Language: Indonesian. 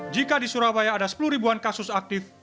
jika di surabaya ada sepuluh ribuan kasus aktif